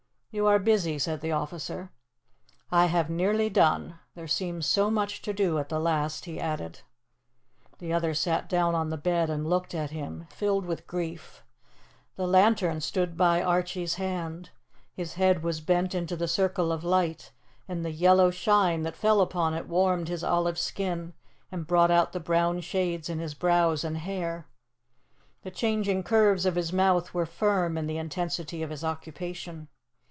"You are busy," said the officer. "I have nearly done. There seems so much to do at the last," he added. The other sat down on the bed and looked at him, filled with grief. The lantern stood by Archie's hand. His head was bent into the circle of light, and the yellow shine that fell upon it warmed his olive skin and brought out the brown shades in his brows and hair. The changing curves of his mouth were firm in the intensity of his occupation.